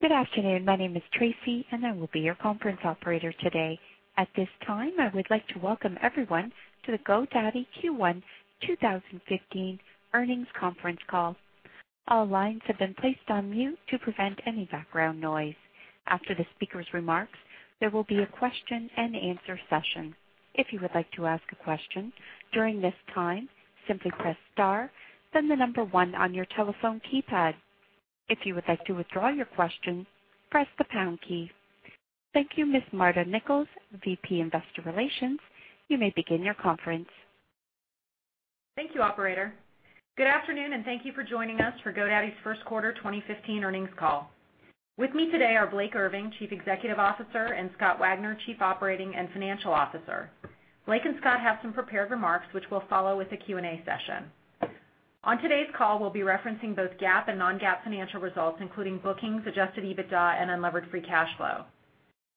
Good afternoon. My name is Tracy, and I will be your conference operator today. At this time, I would like to welcome everyone to the GoDaddy Q1 2015 earnings conference call. All lines have been placed on mute to prevent any background noise. After the speaker's remarks, there will be a question and answer session. If you would like to ask a question during this time, simply press star, then the number one on your telephone keypad. If you would like to withdraw your question, press the pound key. Thank you, Ms. Marta Nichols, VP, Investor Relations, you may begin your conference. Thank you, operator. Good afternoon, and thank you for joining us for GoDaddy's first quarter 2015 earnings call. With me today are Blake Irving, Chief Executive Officer, and Scott Wagner, Chief Operating and Financial Officer. Blake and Scott have some prepared remarks, which will follow with the Q&A session. On today's call, we'll be referencing both GAAP and non-GAAP financial results, including bookings, adjusted EBITDA, and unlevered free cash flow.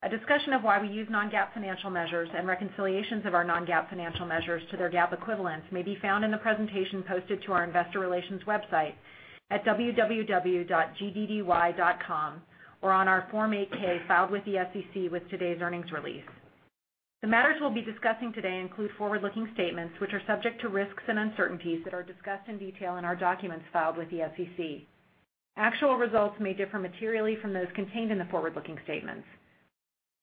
A discussion of why we use non-GAAP financial measures and reconciliations of our non-GAAP financial measures to their GAAP equivalents may be found in the presentation posted to our investor relations website at www.investors.godaddy.net or on our Form 8-K filed with the SEC with today's earnings release. The matters we'll be discussing today include forward-looking statements, which are subject to risks and uncertainties that are discussed in detail in our documents filed with the SEC. Actual results may differ materially from those contained in the forward-looking statements.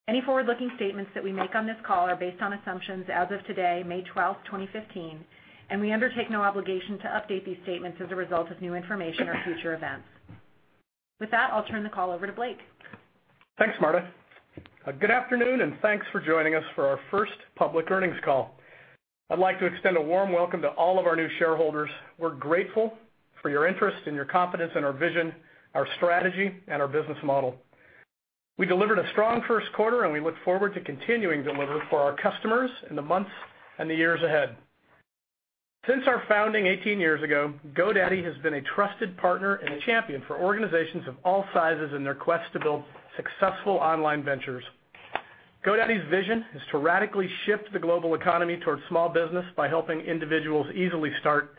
Any forward-looking statements that we make on this call are based on assumptions as of today, May 12th, 2015, and we undertake no obligation to update these statements as a result of new information or future events. With that, I'll turn the call over to Blake. Thanks, Marta. Good afternoon, and thanks for joining us for our first public earnings call. I'd like to extend a warm welcome to all of our new shareholders. We're grateful for your interest and your confidence in our vision, our strategy, and our business model. We delivered a strong first quarter, and we look forward to continuing delivery for our customers in the months and the years ahead. Since our founding 18 years ago, GoDaddy has been a trusted partner and a champion for organizations of all sizes in their quest to build successful online ventures. GoDaddy's vision is to radically shift the global economy towards small business by helping individuals easily start,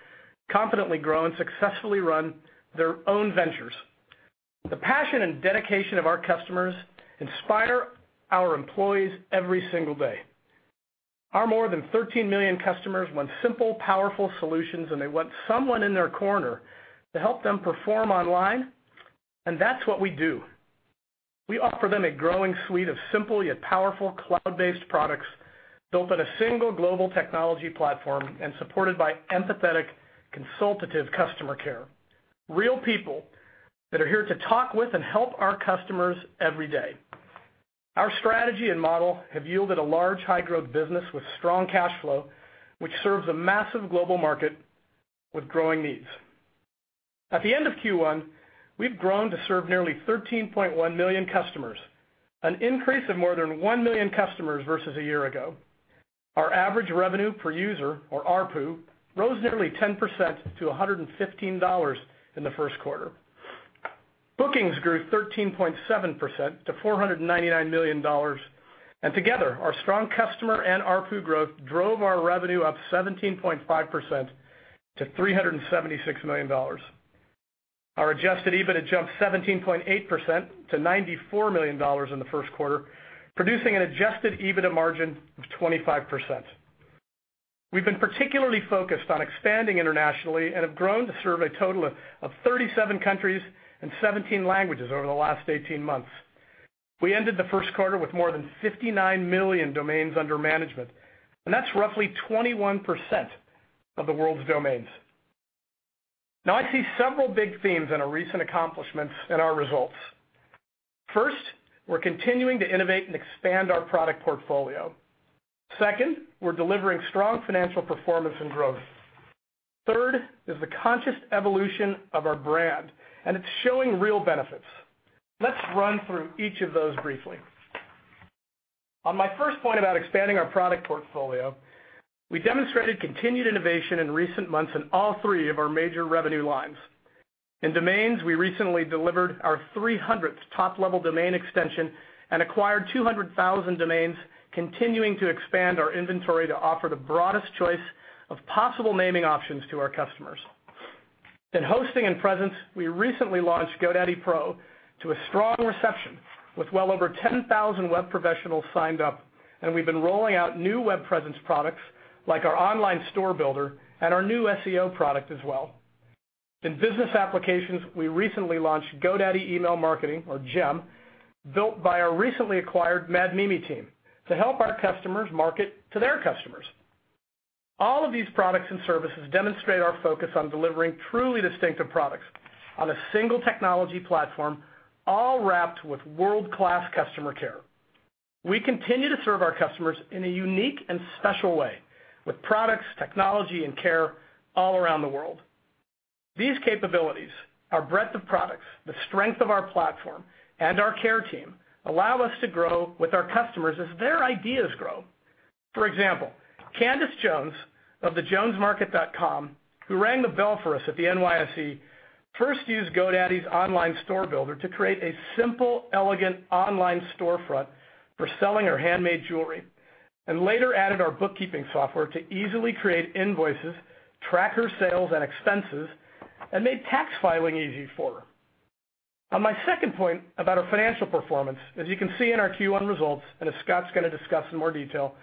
confidently grow, and successfully run their own ventures. The passion and dedication of our customers inspire our employees every single day. Our more than 13 million customers want simple, powerful solutions, and they want someone in their corner to help them perform online, and that's what we do. We offer them a growing suite of simple yet powerful cloud-based products built on a single global technology platform and supported by empathetic, consultative customer care. Real people that are here to talk with and help our customers every day. Our strategy and model have yielded a large, high-growth business with strong cash flow, which serves a massive global market with growing needs. At the end of Q1, we've grown to serve nearly 13.1 million customers, an increase of more than 1 million customers versus a year ago. Our average revenue per user, or ARPU, rose nearly 10% to $115 in the first quarter. Together, our strong customer and ARPU growth drove our revenue up 17.5% to $376 million. Our adjusted EBITDA jumped 17.8% to $94 million in the first quarter, producing an adjusted EBITDA margin of 25%. We've been particularly focused on expanding internationally and have grown to serve a total of 37 countries and 17 languages over the last 18 months. We ended the first quarter with more than 59 million domains under management. That's roughly 21% of the world's domains. I see several big themes in our recent accomplishments and our results. First, we're continuing to innovate and expand our product portfolio. Second, we're delivering strong financial performance and growth. Third, is the conscious evolution of our brand. It's showing real benefits. Let's run through each of those briefly. On my first point about expanding our product portfolio, we demonstrated continued innovation in recent months in all three of our major revenue lines. In domains, we recently delivered our 300th top-level domain extension and acquired 200,000 domains, continuing to expand our inventory to offer the broadest choice of possible naming options to our customers. In hosting and presence, we recently launched GoDaddy Pro to a strong reception with well over 10,000 web professionals signed up. We've been rolling out new web presence products like our online store builder and our new SEO product as well. In business applications, we recently launched GoDaddy Email Marketing, or GEM, built by our recently acquired Mad Mimi team to help our customers market to their customers. All of these products and services demonstrate our focus on delivering truly distinctive products on a single technology platform, all wrapped with world-class customer care. We continue to serve our customers in a unique and special way with products, technology, and care all around the world. These capabilities, our breadth of products, the strength of our platform, and our care team allow us to grow with our customers as their ideas grow. For example, Candace Jones of thejonesmarket.com, who rang the bell for us at the NYSE, first used GoDaddy's online store builder to create a simple, elegant online storefront for selling her handmade jewelry, and later added our bookkeeping software to easily create invoices, track her sales and expenses, and made tax filing easy for her. On my second point about our financial performance, as you can see in our Q1 results, as Scott's going to discuss in more detail,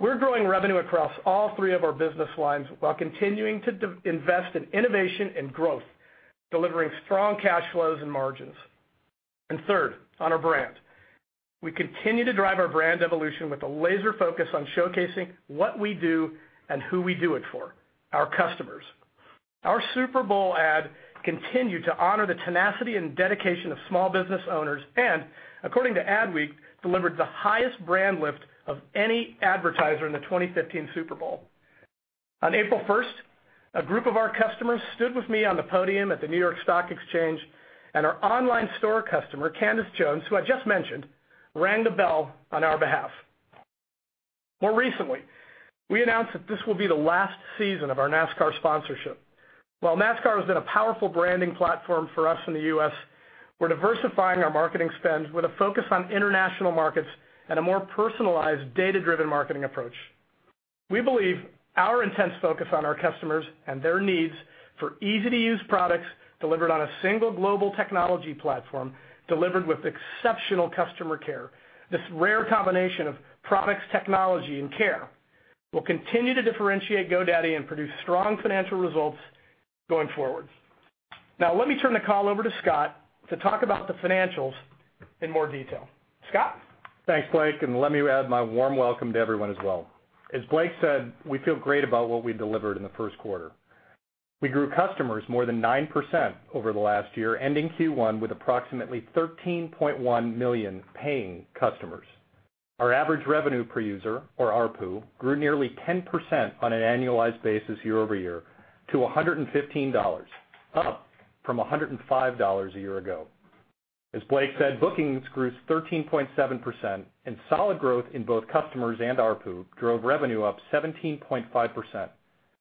we're growing revenue across all three of our business lines while continuing to invest in innovation and growth, delivering strong cash flows and margins. Third, on our brand, we continue to drive our brand evolution with a laser focus on showcasing what we do and who we do it for, our customers. Our Super Bowl ad continued to honor the tenacity and dedication of small business owners, and according to "Adweek", delivered the highest brand lift of any advertiser in the 2015 Super Bowl. On April 1st, a group of our customers stood with me on the podium at the New York Stock Exchange, and our online store customer, Candace Jones, who I just mentioned, rang the bell on our behalf. More recently, we announced that this will be the last season of our NASCAR sponsorship. While NASCAR has been a powerful branding platform for us in the U.S., we're diversifying our marketing spend with a focus on international markets and a more personalized data-driven marketing approach. We believe our intense focus on our customers and their needs for easy-to-use products delivered on a single global technology platform, delivered with exceptional customer care. This rare combination of products, technology, and care will continue to differentiate GoDaddy and produce strong financial results going forward. Let me turn the call over to Scott to talk about the financials in more detail. Scott? Thanks, Blake. Let me add my warm welcome to everyone as well. As Blake said, we feel great about what we delivered in the first quarter. We grew customers more than 9% over the last year, ending Q1 with approximately 13.1 million paying customers. Our average revenue per user, or ARPU, grew nearly 10% on an annualized basis year-over-year to $115, up from $105 a year ago. As Blake said, bookings grew 13.7%, and solid growth in both customers and ARPU drove revenue up 17.5%,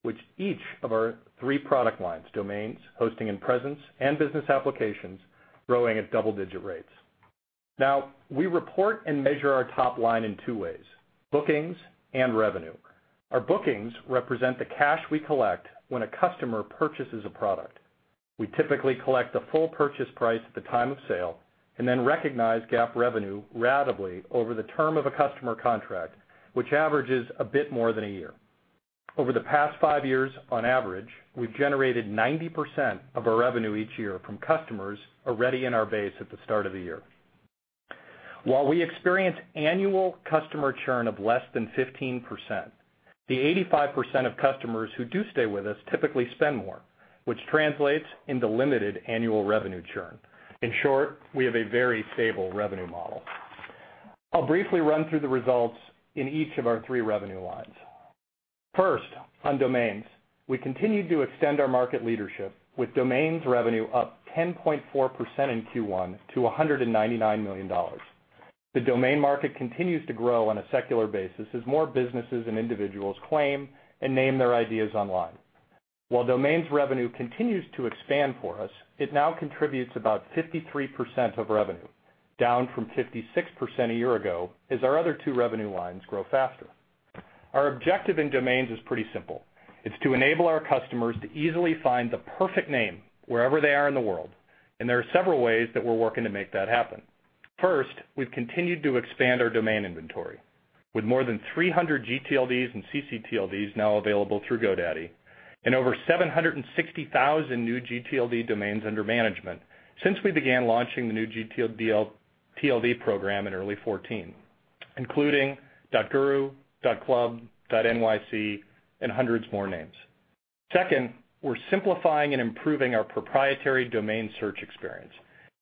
which each of our three product lines, domains, hosting and presence, and business applications, growing at double-digit rates. We report and measure our top line in two ways, bookings and revenue. Our bookings represent the cash we collect when a customer purchases a product. We typically collect the full purchase price at the time of sale and then recognize GAAP revenue ratably over the term of a customer contract, which averages a bit more than a year. Over the past five years, on average, we've generated 90% of our revenue each year from customers already in our base at the start of the year. While we experience annual customer churn of less than 15%, the 85% of customers who do stay with us typically spend more, which translates into limited annual revenue churn. In short, we have a very stable revenue model. I'll briefly run through the results in each of our three revenue lines. First, on domains, we continued to extend our market leadership with domains revenue up 10.4% in Q1 to $199 million. The domain market continues to grow on a secular basis as more businesses and individuals claim and name their ideas online. While domains revenue continues to expand for us, it now contributes about 53% of revenue, down from 56% a year ago as our other two revenue lines grow faster. Our objective in domains is pretty simple. It's to enable our customers to easily find the perfect name wherever they are in the world, and there are several ways that we're working to make that happen. First, we've continued to expand our domain inventory. With more than 300 gTLDs and ccTLDs now available through GoDaddy and over 760,000 new gTLD domains under management since we began launching the new gTLD program in early 2014, including .guru, .club, .nyc, and hundreds more names. Second, we're simplifying and improving our proprietary domain search experience.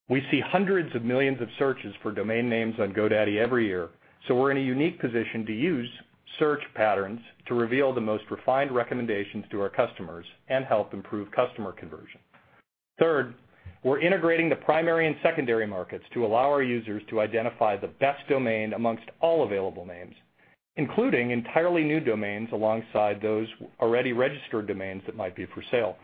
We see hundreds of millions of searches for domain names on GoDaddy every year, so we're in a unique position to use search patterns to reveal the most refined recommendations to our customers and help improve customer conversion. Third, we're integrating the primary and secondary markets to allow our users to identify the best domain amongst all available names, including entirely new domains alongside those already registered domains that might be for sale.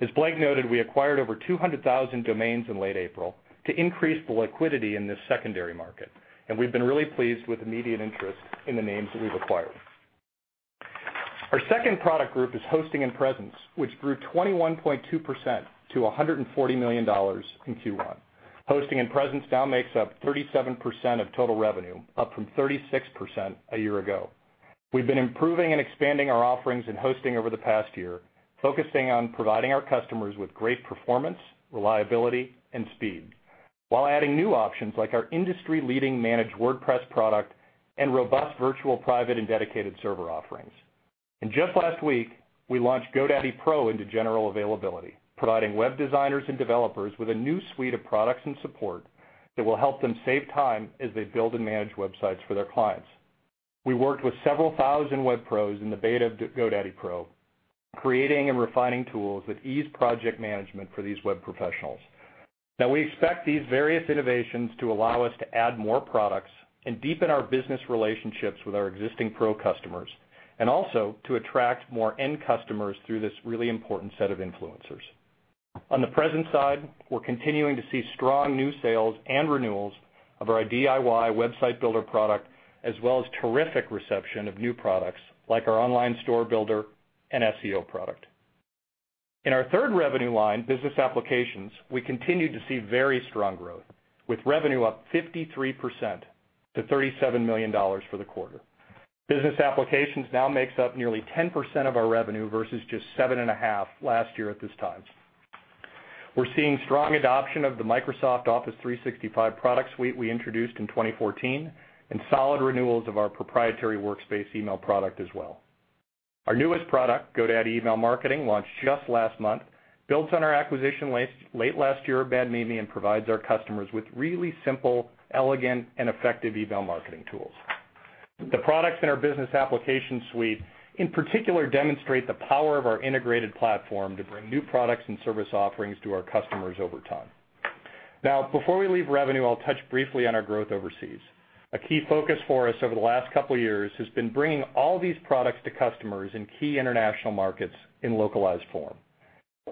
As Blake noted, we acquired over 200,000 domains in late April to increase the liquidity in this secondary market, and we've been really pleased with the immediate interest in the names that we've acquired. Our second product group is hosting and presence, which grew 21.2% to $140 million in Q1. Hosting and presence now makes up 37% of total revenue, up from 36% a year ago. We've been improving and expanding our offerings in hosting over the past year, focusing on providing our customers with great performance, reliability, and speed, while adding new options like our industry-leading managed WordPress product and robust virtual private and dedicated server offerings. Just last week, we launched GoDaddy Pro into general availability, providing web designers and developers with a new suite of products and support that will help them save time as they build and manage websites for their clients. We worked with several thousand web pros in the beta of GoDaddy Pro, creating and refining tools that ease project management for these web professionals. Now, we expect these various innovations to allow us to add more products and deepen our business relationships with our existing Pro customers, and also to attract more end customers through this really important set of influencers. On the presence side, we're continuing to see strong new sales and renewals of our DIY website builder product, as well as terrific reception of new products like our online store builder and SEO product. In our third revenue line, business applications, we continue to see very strong growth, with revenue up 53% to $37 million for the quarter. Business applications now makes up nearly 10% of our revenue versus just 7.5% last year at this time. We're seeing strong adoption of the Microsoft Office 365 product suite we introduced in 2014, and solid renewals of our proprietary workspace email product as well. Our newest product, GoDaddy Email Marketing, launched just last month, builds on our acquisition late last year of Mad Mimi, and provides our customers with really simple, elegant, and effective email marketing tools. Before we leave revenue, I'll touch briefly on our growth overseas. A key focus for us over the last couple of years has been bringing all these products to customers in key international markets in localized form.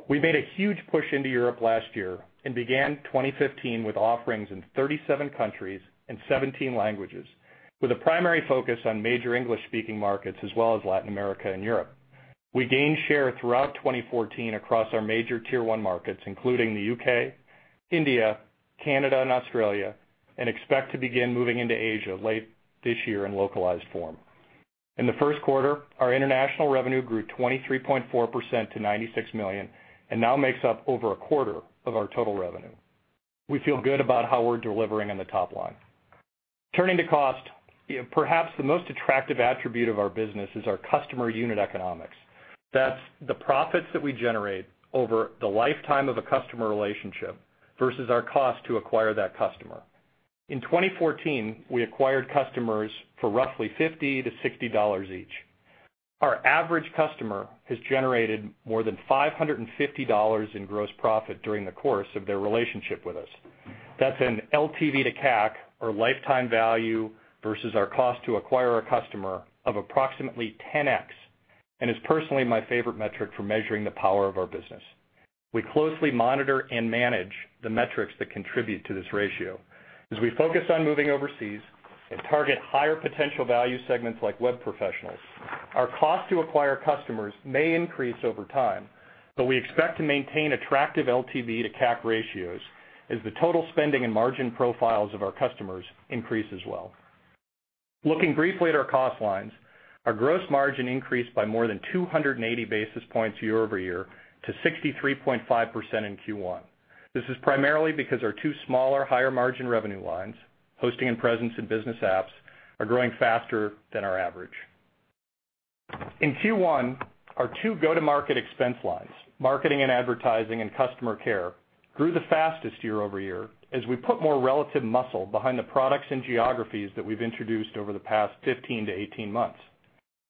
We made a huge push into Europe last year and began 2015 with offerings in 37 countries and 17 languages, with a primary focus on major English-speaking markets, as well as Latin America and Europe. We gained share throughout 2014 across our major tier 1 markets, including the U.K., India, Canada, and Australia, and expect to begin moving into Asia late this year in localized form. In the first quarter, our international revenue grew 23.4% to $96 million, and now makes up over a quarter of our total revenue. We feel good about how we're delivering on the top line. Turning to cost, perhaps the most attractive attribute of our business is our customer unit economics. That's the profits that we generate over the lifetime of a customer relationship versus our cost to acquire that customer. In 2014, we acquired customers for roughly $50 to $60 each. Our average customer has generated more than $550 in gross profit during the course of their relationship with us. That's an LTV to CAC, or lifetime value, versus our cost to acquire a customer, of approximately 10x, and is personally my favorite metric for measuring the power of our business. We closely monitor and manage the metrics that contribute to this ratio. As we focus on moving overseas and target higher potential value segments like web professionals, our cost to acquire customers may increase over time, but we expect to maintain attractive LTV to CAC ratios as the total spending and margin profiles of our customers increase as well. Looking briefly at our cost lines, our gross margin increased by more than 280 basis points year-over-year to 63.5% in Q1. This is primarily because our two smaller higher-margin revenue lines, hosting and presence and business apps, are growing faster than our average. In Q1, our two go-to-market expense lines, marketing and advertising and customer care, grew the fastest year-over-year as we put more relative muscle behind the products and geographies that we've introduced over the past 15-18 months.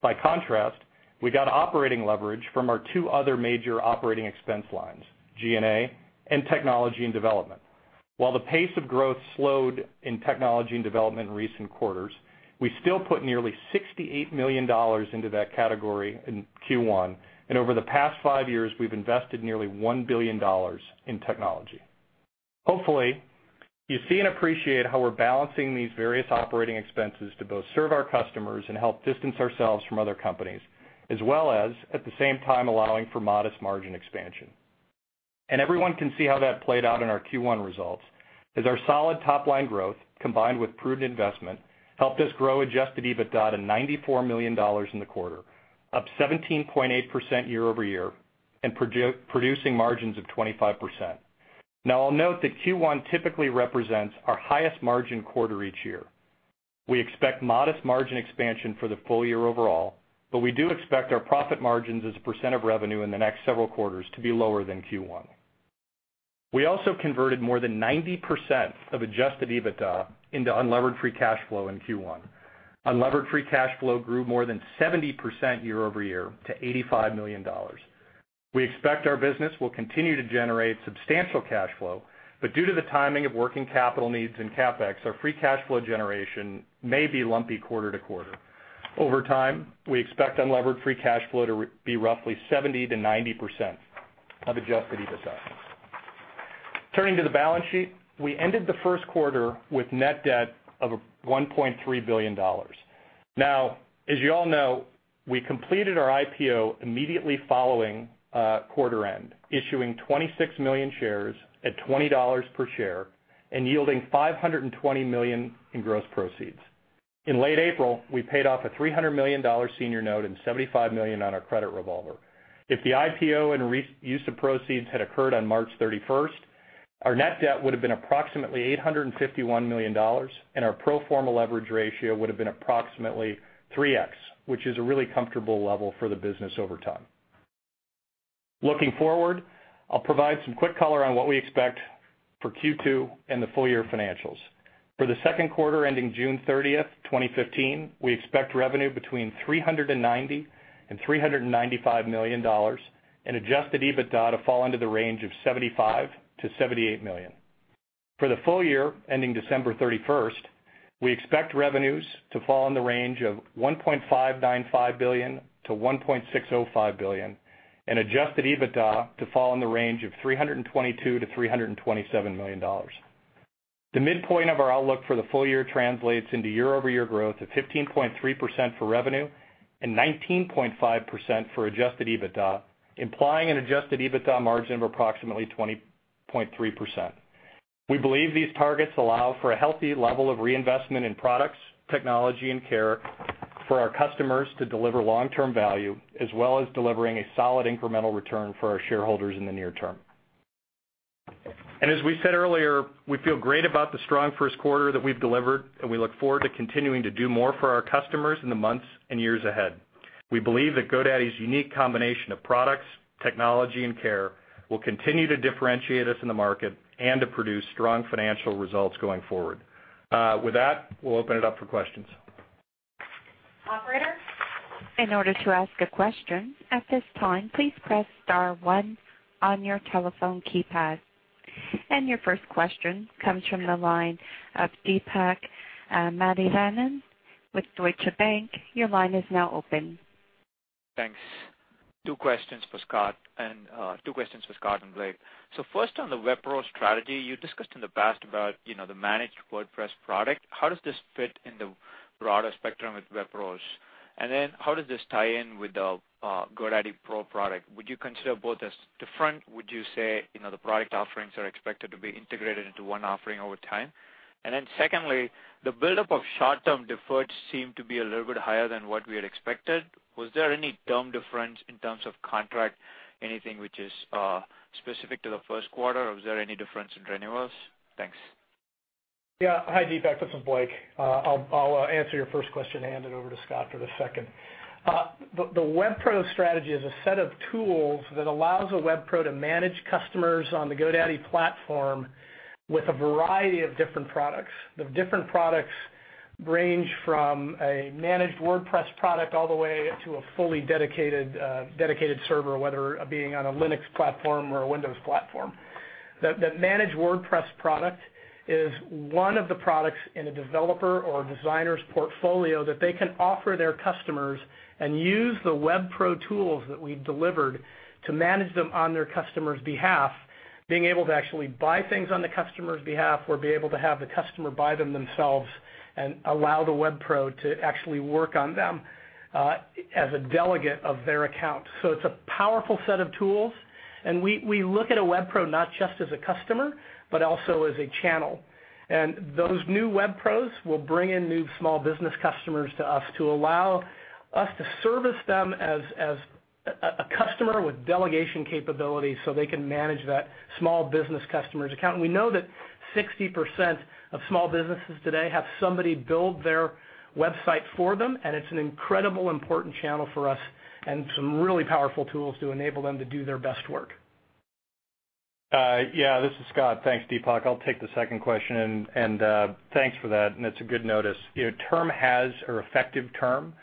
By contrast, we got operating leverage from our two other major operating expense lines, G&A and technology and development. While the pace of growth slowed in technology and development in recent quarters, we still put nearly $68 million into that category in Q1. Over the past five years, we've invested nearly $1 billion in technology. Hopefully, you see and appreciate how we're balancing these various operating expenses to both serve our customers and help distance ourselves from other companies, as well as, at the same time, allowing for modest margin expansion. Everyone can see how that played out in our Q1 results, as our solid top-line growth, combined with prudent investment, helped us grow adjusted EBITDA to $94 million in the quarter, up 17.8% year-over-year, and producing margins of 25%. Now, I'll note that Q1 typically represents our highest margin quarter each year. We expect modest margin expansion for the full year overall, but we do expect our profit margins as a percent of revenue in the next several quarters to be lower than Q1. We also converted more than 90% of adjusted EBITDA into unlevered free cash flow in Q1. Unlevered free cash flow grew more than 70% year-over-year to $85 million. We expect our business will continue to generate substantial cash flow, but due to the timing of working capital needs in CapEx, our free cash flow generation may be lumpy quarter-to-quarter. Over time, we expect unlevered free cash flow to be roughly 70%-90% of adjusted EBITDA. Turning to the balance sheet, we ended the first quarter with net debt of $1.3 billion. Now, as you all know, we completed our IPO immediately following quarter end, issuing 26 million shares at $20 per share and yielding $520 million in gross proceeds. In late April, we paid off a $300 million senior note and $75 million on our credit revolver. If the IPO and use of proceeds had occurred on March 31st, our net debt would have been approximately $851 million, and our pro forma leverage ratio would have been approximately 3x, which is a really comfortable level for the business over time. Looking forward, I'll provide some quick color on what we expect for Q2 and the full year financials. For the second quarter ending June 30th, 2015, we expect revenue between $390 million-$395 million, and adjusted EBITDA to fall under the range of $75 million-$78 million. For the full year ending December 31st, we expect revenues to fall in the range of $1.595 billion-$1.605 billion, and adjusted EBITDA to fall in the range of $322 million-$327 million. The midpoint of our outlook for the full year translates into year-over-year growth of 15.3% for revenue and 19.5% for adjusted EBITDA, implying an adjusted EBITDA margin of approximately 20.3%. We believe these targets allow for a healthy level of reinvestment in products, technology, and care for our customers to deliver long-term value, as well as delivering a solid incremental return for our shareholders in the near term. As we said earlier, we feel great about the strong first quarter that we've delivered, and we look forward to continuing to do more for our customers in the months and years ahead. We believe that GoDaddy's unique combination of products, technology, and care will continue to differentiate us in the market and to produce strong financial results going forward. With that, we'll open it up for questions. Operator? In order to ask a question at this time, please press star one on your telephone keypad. Your first question comes from the line of Deepak Mathivanan with Deutsche Bank. Your line is now open. Thanks. Two questions for Scott and Blake. First on the WebPro strategy, you discussed in the past about the managed WordPress product. How does this fit in the broader spectrum with WebPro? How does this tie in with the GoDaddy Pro product? Would you consider both as different? Would you say the product offerings are expected to be integrated into one offering over time? Secondly, the buildup of short-term deferred seemed to be a little bit higher than what we had expected. Was there any term difference in terms of contract, anything which is specific to the first quarter? Or was there any difference in renewals? Thanks. Yeah. Hi, Deepak, this is Blake. I'll answer your first question and hand it over to Scott for the second. The WebPro strategy is a set of tools that allows a WebPro to manage customers on the GoDaddy platform with a variety of different products. The different products range from a managed WordPress product all the way to a fully dedicated server, whether being on a Linux platform or a Windows platform. The managed WordPress product is one of the products in a developer or a designer's portfolio that they can offer their customers and use the WebPro tools that we've delivered to manage them on their customer's behalf, being able to actually buy things on the customer's behalf, or be able to have the customer buy them themselves and allow the WebPro to actually work on them, as a delegate of their account. It's a powerful set of tools, and we look at a WebPro not just as a customer, but also as a channel. Those new WebPros will bring in new small business customers to us to allow us to service them as a customer with delegation capabilities so they can manage that small business customer's account. We know that 60% of small businesses today have somebody build their website for them, and it's an incredible important channel for us and some really powerful tools to enable them to do their best work. Yeah, this is Scott. Thanks, Deepak. I'll take the second question, and thanks for that, and it's a good notice. Effective term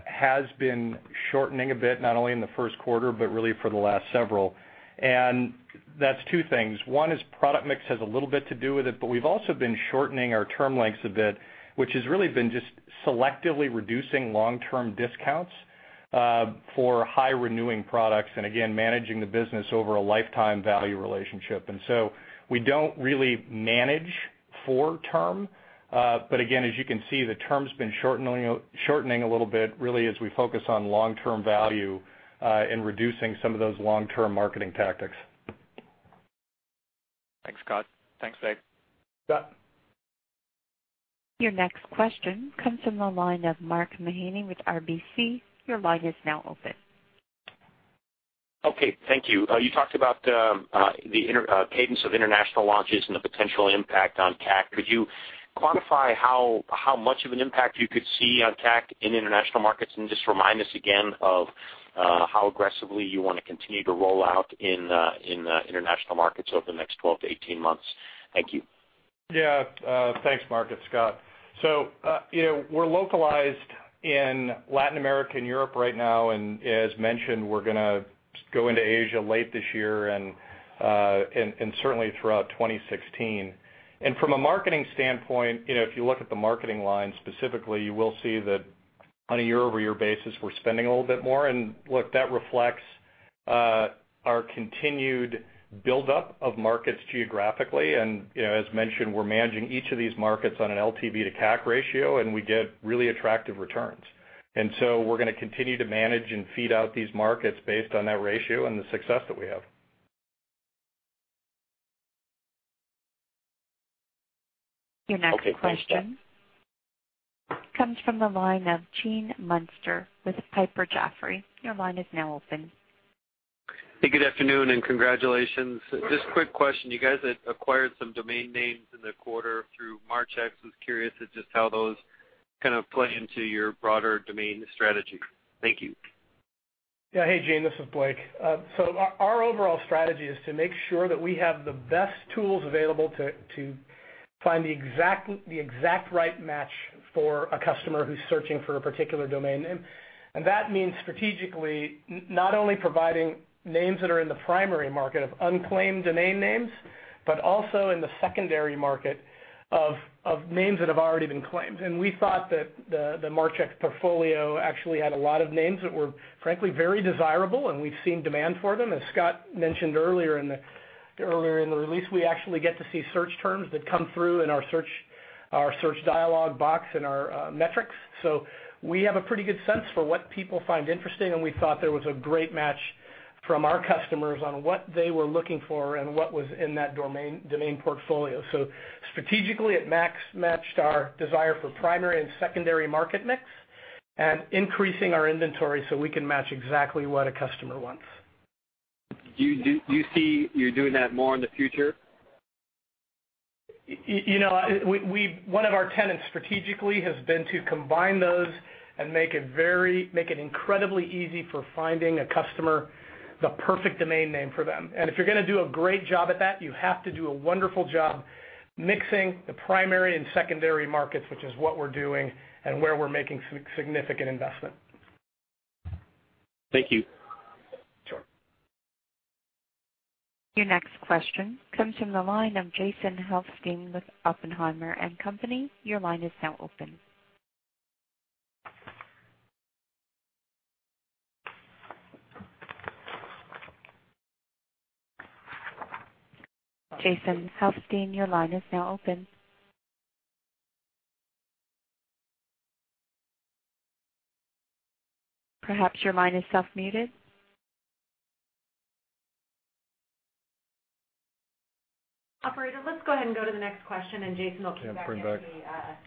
has been shortening a bit, not only in the first quarter, but really for the last several. That's two things. One is product mix has a little bit to do with it, but we've also been shortening our term lengths a bit, which has really been just selectively reducing long-term discounts for high-renewing products, and again, managing the business over a lifetime value relationship. We don't really manage for term. Again, as you can see, the term's been shortening a little bit, really as we focus on long-term value, and reducing some of those long-term marketing tactics. Thanks, Scott. Thanks, Blake. Scott. Your next question comes from the line of Mark Mahaney with RBC. Your line is now open. Okay, thank you. You talked about the cadence of international launches and the potential impact on CAC. Could you quantify how much of an impact you could see on CAC in international markets, and just remind us again of how aggressively you want to continue to roll out in the international markets over the next 12-18 months. Thank you. Yeah. Thanks, Mark, it's Scott. We're localized in Latin America and Europe right now, as mentioned, we're going to go into Asia late this year and certainly throughout 2016. From a marketing standpoint, if you look at the marketing line specifically, you will see that on a year-over-year basis, we're spending a little bit more. Look, that reflects our continued buildup of markets geographically as mentioned, we're managing each of these markets on an LTV to CAC ratio, and we get really attractive returns. We're going to continue to manage and feed out these markets based on that ratio and the success that we have. Your next question. Okay, thanks, Scott. comes from the line of Gene Munster with Piper Jaffray. Your line is now open. Hey, good afternoon, and congratulations. Just a quick question. You guys had acquired some domain names in the quarter through Marchex. I was curious as to how those kind of play into your broader domain strategy. Thank you. Yeah. Hey, Gene, this is Blake. Our overall strategy is to make sure that we have the best tools available to find the exact right match for a customer who's searching for a particular domain name. That means strategically not only providing names that are in the primary market of unclaimed domain names, but also in the secondary market Of names that have already been claimed. We thought that the Marchex portfolio actually had a lot of names that were frankly very desirable, and we've seen demand for them. As Scott mentioned earlier in the release, we actually get to see search terms that come through in our search dialogue box and our metrics. We have a pretty good sense for what people find interesting, and we thought there was a great match from our customers on what they were looking for and what was in that domain portfolio. Strategically, it matched our desire for primary and secondary market mix and increasing our inventory so we can match exactly what a customer wants. Do you see you doing that more in the future? One of our tenets strategically has been to combine those and make it incredibly easy for finding a customer the perfect domain name for them. If you're going to do a great job at that, you have to do a wonderful job mixing the primary and secondary markets, which is what we're doing and where we're making significant investment. Thank you. Sure. Your next question comes from the line of Jason Helfstein with Oppenheimer & Co. Your line is now open. Jason Helfstein, your line is now open. Perhaps your line is self-muted. Operator, let's go ahead and go to the next question. Jason will come back. Yeah, bring back.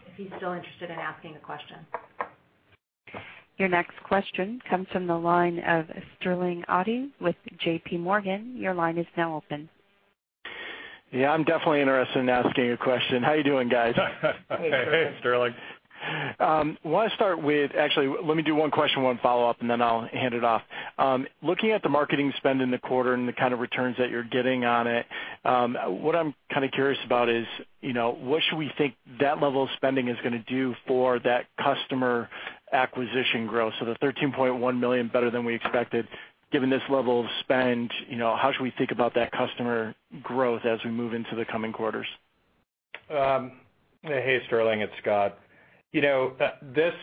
If he's still interested in asking a question. Your next question comes from the line of Sterling Auty with J.P. Morgan. Your line is now open. Yeah, I'm definitely interested in asking a question. How you doing, guys? Hey, Sterling. Actually, let me do one question, one follow-up, and then I'll hand it off. Looking at the marketing spend in the quarter and the kind of returns that you're getting on it, what I'm kind of curious about is, what should we think that level of spending is going to do for that customer acquisition growth? The 13.1 million, better than we expected. Given this level of spend, how should we think about that customer growth as we move into the coming quarters? Hey, Sterling, it's Scott. This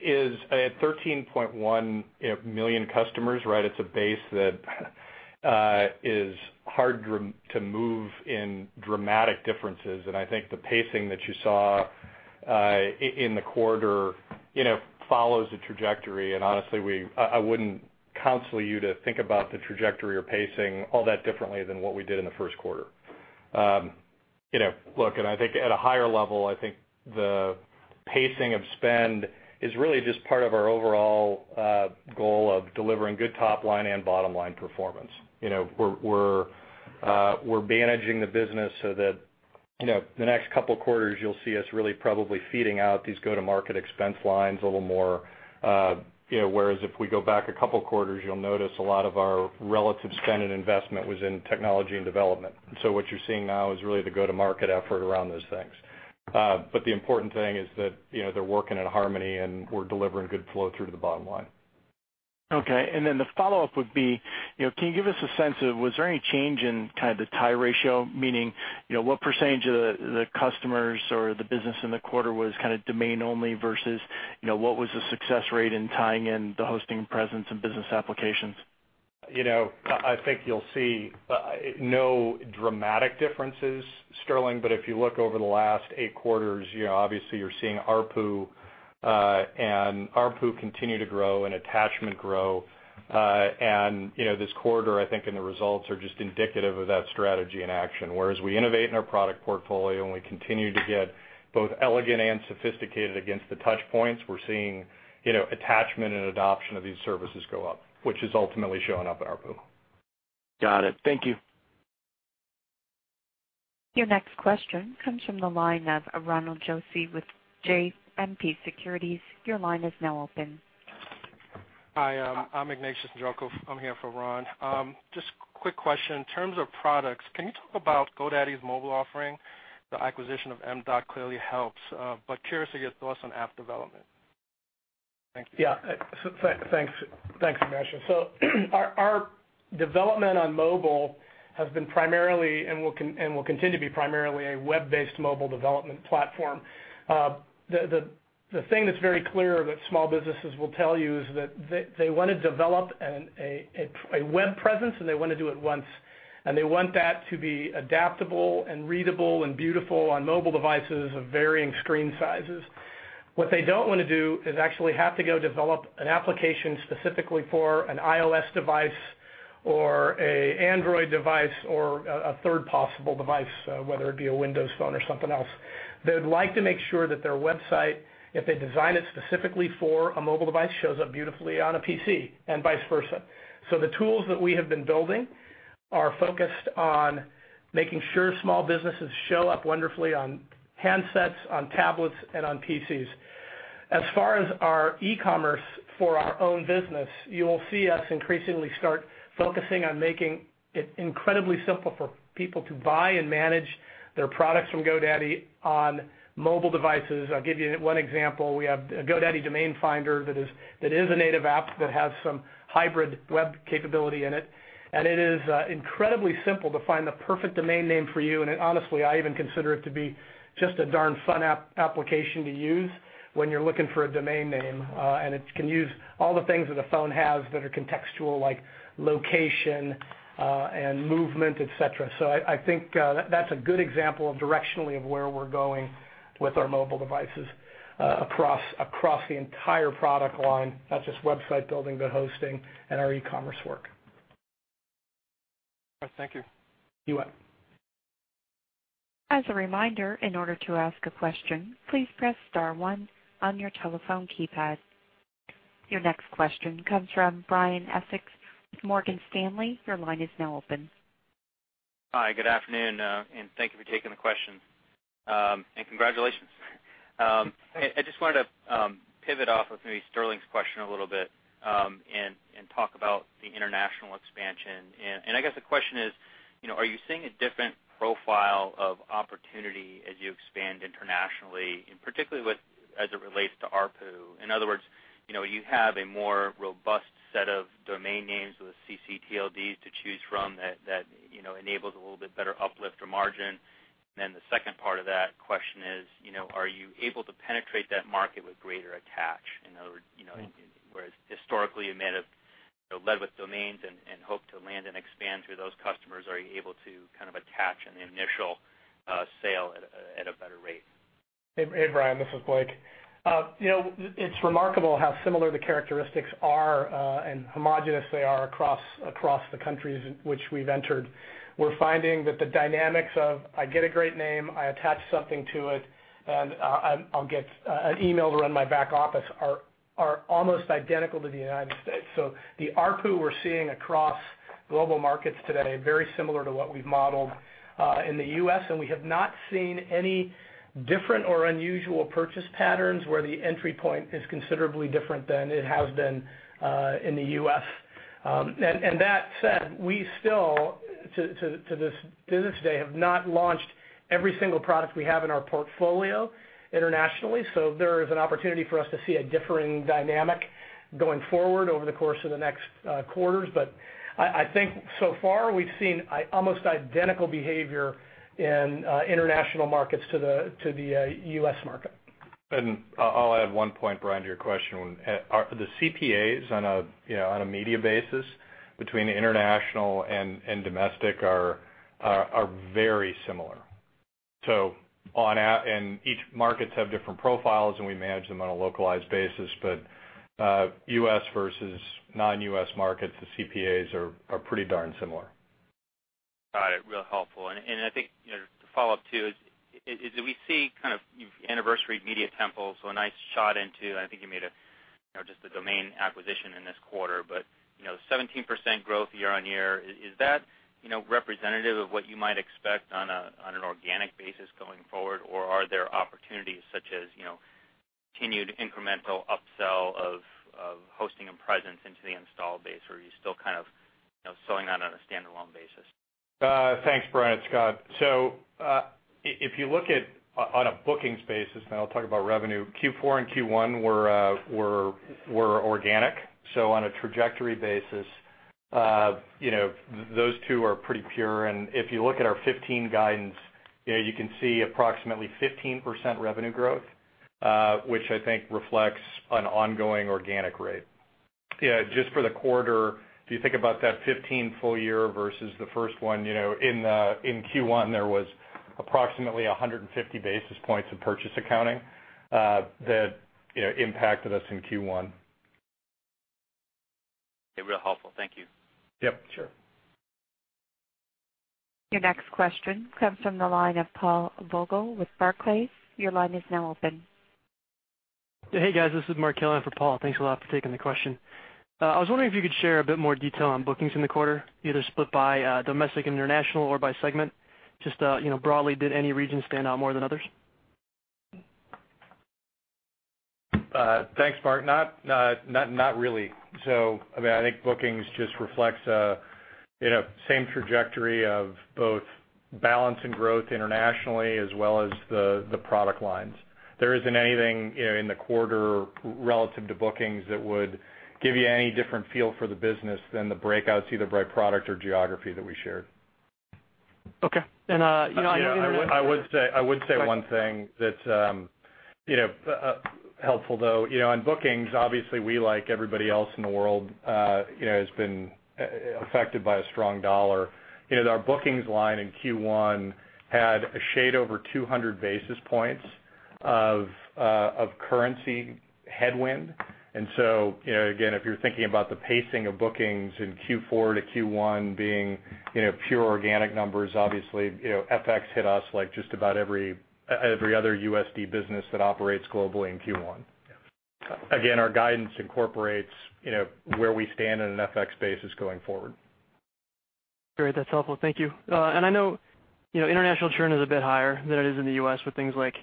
is a 13.1 million customers. It's a base that is hard to move in dramatic differences, and I think the pacing that you saw in the quarter follows the trajectory, and honestly, I wouldn't counsel you to think about the trajectory or pacing all that differently than what we did in the first quarter. Look, I think at a higher level, I think the pacing of spend is really just part of our overall goal of delivering good top-line and bottom-line performance. We're managing the business so that the next couple of quarters, you'll see us really probably feeding out these go-to-market expense lines a little more. Whereas if we go back a couple of quarters, you'll notice a lot of our relative spend and investment was in technology and development. What you're seeing now is really the go-to-market effort around those things. the important thing is that they're working in harmony, and we're delivering good flow through to the bottom line. Okay, the follow-up would be, can you give us a sense of, was there any change in kind of the tie ratio? Meaning, what % of the customers or the business in the quarter was kind of domain only versus what was the success rate in tying in the hosting presence and business applications? I think you'll see no dramatic differences, Sterling, but if you look over the last eight quarters, obviously you're seeing ARPU continue to grow and attachment grow. This quarter, I think, and the results are just indicative of that strategy in action. Whereas we innovate in our product portfolio, and we continue to get both elegant and sophisticated against the touchpoints, we're seeing attachment and adoption of these services go up, which is ultimately showing up in ARPU. Got it. Thank you. Your next question comes from the line of Ron Josey with JMP Securities. Your line is now open. Hi, I'm Ignatius Ndroko. I'm here for Ron. Just quick question. In terms of products, can you talk about GoDaddy's mobile offering? The acquisition of M.dot clearly helps, curious to get your thoughts on app development. Thank you. Yeah. Thanks, Ignatius. Our development on mobile has been primarily, and will continue to be primarily, a web-based mobile development platform. The thing that's very clear that small businesses will tell you is that they want to develop a web presence, and they want to do it once, and they want that to be adaptable and readable and beautiful on mobile devices of varying screen sizes. What they don't want to do is actually have to go develop an application specifically for an iOS device or an Android device or a third possible device, whether it be a Windows phone or something else. They would like to make sure that their website, if they design it specifically for a mobile device, shows up beautifully on a PC, and vice versa. The tools that we have been building are focused on making sure small businesses show up wonderfully on handsets, on tablets, and on PCs. As far as our e-commerce for our own business, you will see us increasingly start focusing on making it incredibly simple for people to buy and manage their products from GoDaddy on mobile devices. I'll give you one example. We have GoDaddy Domain Finder, that is a native app that has some hybrid web capability in it, and it is incredibly simple to find the perfect domain name for you. Honestly, I even consider it to be just a darn fun application to use when you're looking for a domain name. It can use all the things that a phone has that are contextual, like location, and movement, et cetera. I think that's a good example directionally of where we're going with our mobile devices across the entire product line, not just website building, but hosting and our e-commerce work. All right. Thank you. You bet. As a reminder, in order to ask a question, please press star one on your telephone keypad. Your next question comes from Brian Essex with Morgan Stanley. Your line is now open. Hi, good afternoon, and thank you for taking the question. Congratulations. I just wanted to pivot off of maybe Sterling's question a little bit, and talk about the international expansion. I guess the question is: Are you seeing a different profile of opportunity as you expand internationally, and particularly as it relates to ARPU? In other words, you have a more robust set of domain names with ccTLDs to choose from that enables a little bit better uplift or margin. The second part of that question is: Are you able to penetrate that market with greater attach? In other words, whereas historically you might have led with domains and hoped to land and expand through those customers, are you able to kind of attach an initial sale at a better rate? Hey, Brian, this is Blake. It's remarkable how similar the characteristics are, and homogenous they are across the countries which we've entered. We're finding that the dynamics of, "I get a great name, I attach something to it, and I'll get an email to run my back office," are almost identical to the United States. The ARPU we're seeing across global markets today, very similar to what we've modeled in the U.S., and we have not seen any different or unusual purchase patterns where the entry point is considerably different than it has been in the U.S. That said, we still, to this day, have not launched every single product we have in our portfolio internationally. There is an opportunity for us to see a differing dynamic going forward over the course of the next quarters. I think so far, we've seen almost identical behavior in international markets to the U.S. market. I'll add one point, Brian, to your question. The CPAs on a media basis between international and domestic are very similar. Each markets have different profiles, and we manage them on a localized basis. U.S. versus non-U.S. markets, the CPAs are pretty darn similar. Got it. Real helpful. I think to follow up, too, is we see kind of you've anniversaried Media Temple, so a nice shot into, I think you made just a domain acquisition in this quarter. 17% growth year-over-year, is that representative of what you might expect on an organic basis going forward? Are there opportunities such as continued incremental upsell of hosting and presence into the installed base? Are you still kind of selling that on a standalone basis? Thanks, Brian. It's Scott. If you look at on a bookings basis, and I'll talk about revenue, Q4 and Q1 were organic. On a trajectory basis, those two are pretty pure. If you look at our 2015 guidance, you can see approximately 15% revenue growth, which I think reflects an ongoing organic rate. Just for the quarter, if you think about that 2015 full year versus the first one, in Q1, there was approximately 150 basis points of purchase accounting that impacted us in Q1. Okay. Real helpful. Thank you. Yep. Sure. Your next question comes from the line of Paul Vogel with Barclays. Your line is now open. Hey, guys, this is Mark in for Paul. Thanks a lot for taking the question. I was wondering if you could share a bit more detail on bookings in the quarter, either split by domestic, international, or by segment. Just broadly, did any region stand out more than others? Thanks, Mark. Not really. I think bookings just reflects same trajectory of both balance and growth internationally, as well as the product lines. There isn't anything in the quarter relative to bookings that would give you any different feel for the business than the breakouts, either by product or geography that we shared. Okay. I would say one thing that's helpful, though. On bookings, obviously, we, like everybody else in the world, has been affected by a strong dollar. Our bookings line in Q1 had a shade over 200 basis points of currency headwind. If you're thinking about the pacing of bookings in Q4 to Q1 being pure organic numbers, obviously, FX hit us like just about every other USD business that operates globally in Q1. Our guidance incorporates where we stand in an FX basis going forward. Great. That's helpful. Thank you. I know international churn is a bit higher than it is in the U.S. with things like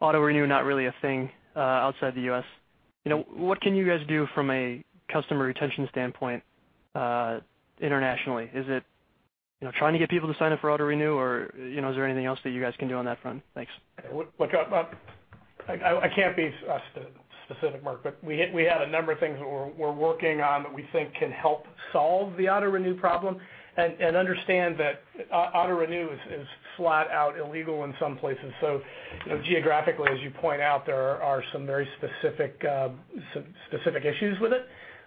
auto-renew not really a thing outside the U.S. What can you guys do from a customer retention standpoint internationally? Is it trying to get people to sign up for auto-renew, or is there anything else that you guys can do on that front? Thanks. Look, I can't be specific, Mark, but we have a number of things that we're working on that we think can help solve the auto-renew problem. Understand that auto-renew is flat out illegal in some places. Geographically, as you point out, there are some very specific issues with it.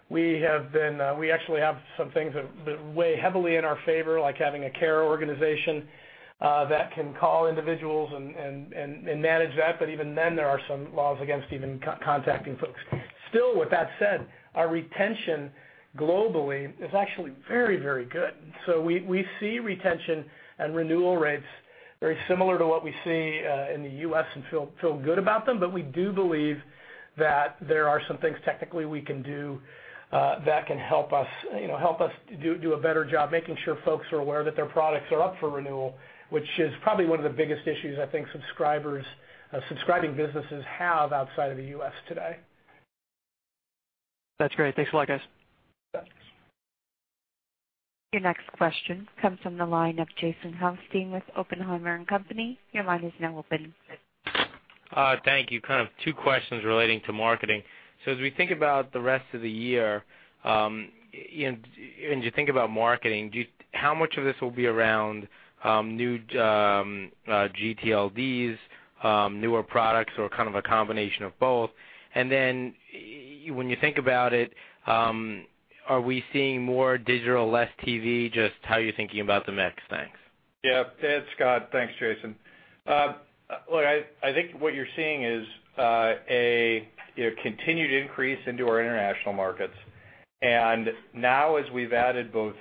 We actually have some things that weigh heavily in our favor, like having a care organization that can call individuals and manage that, but even then, there are some laws against even contacting folks. With that said, our retention globally is actually very good. We see retention and renewal rates very similar to what we see in the U.S. and feel good about them. We do believe that there are some things technically we can do that can help us do a better job making sure folks are aware that their products are up for renewal, which is probably one of the biggest issues I think subscribing businesses have outside of the U.S. today. That's great. Thanks a lot, guys. Thanks. Your next question comes from the line of Jason Helfstein with Oppenheimer & Co.. Your line is now open. Thank you. Kind of two questions relating to marketing. As we think about the rest of the year, and you think about marketing, how much of this will be around new gTLDs, newer products, or kind of a combination of both? When you think about it, are we seeing more digital, less TV? Just how are you thinking about the mix? Thanks. Yeah. It's Scott. Thanks, Jason. Look, I think what you're seeing is a continued increase into our international markets. Now as we've added both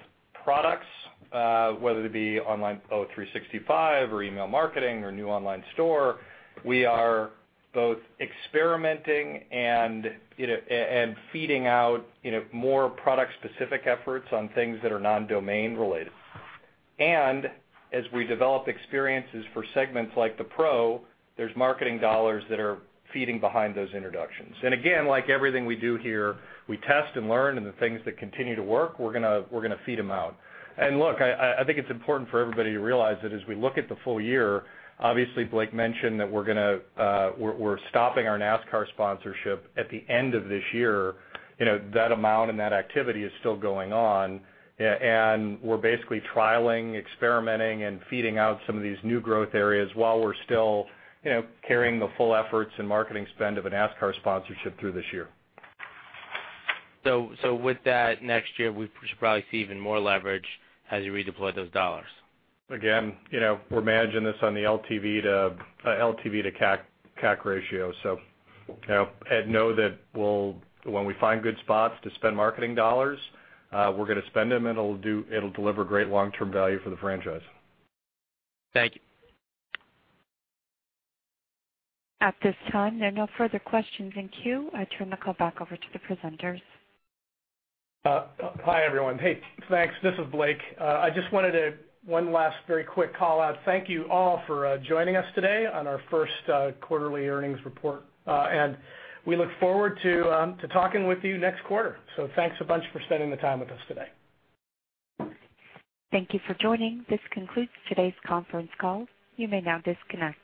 products, whether it be Office 365 or Email Marketing or new online store, we are both experimenting and feeding out more product-specific efforts on things that are non-domain related. As we develop experiences for segments like the Pro, there's marketing dollars that are feeding behind those introductions. Again, like everything we do here, we test and learn, and the things that continue to work, we're going to feed them out. Look, I think it's important for everybody to realize that as we look at the full year, obviously Blake mentioned that we're stopping our NASCAR sponsorship at the end of this year. We're basically trialing, experimenting, and feeding out some of these new growth areas while we're still carrying the full efforts and marketing spend of a NASCAR sponsorship through this year. With that, next year, we should probably see even more leverage as you redeploy those dollars. Again, we're managing this on the LTV to CAC ratio. Know that when we find good spots to spend marketing dollars, we're going to spend them, and it'll deliver great long-term value for the franchise. Thank you. At this time, there are no further questions in queue. I turn the call back over to the presenters. Hi, everyone. Hey, thanks. This is Blake. I just wanted one last very quick call-out. Thank you all for joining us today on our first quarterly earnings report. We look forward to talking with you next quarter. Thanks a bunch for spending the time with us today. Thank you for joining. This concludes today's conference call. You may now disconnect.